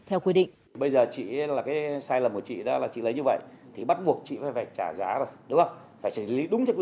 trách nhiệm đến đâu